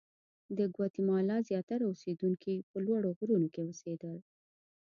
د ګواتیمالا زیاتره اوسېدونکي په لوړو غرونو کې اوسېدل.